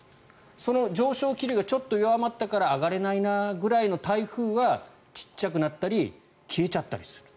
その上昇気流がちょっと弱まったから上がれないくらいの台風は小っちゃくなったり消えちゃったりする。